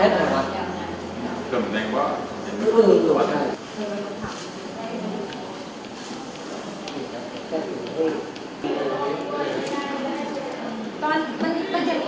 ตอนนี้มันจะดีแต่ตอนที่ที่ตอนหอบ